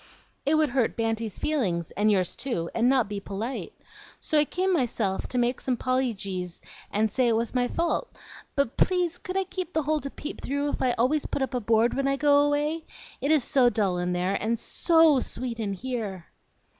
"It would hurt Banty's feelings, and yours too, and not be polite. So I came myself, to make some pollygies, and say it was my fault. But, please, could I keep the hole to peep through, if I always put up a board when I go away? It is so dull in there, and SO sweet in here!"